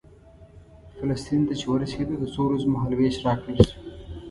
فلسطین ته چې ورسېدو د څو ورځو مهال وېش راکړل شو.